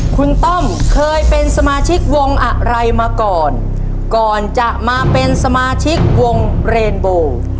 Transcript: คุณต้อมเคยเป็นสมาชิกวงอะไรมาก่อนก่อนจะมาเป็นสมาชิกวงเรนโบ